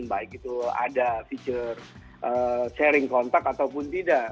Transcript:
baik itu ada fitur sharing kontak ataupun tidak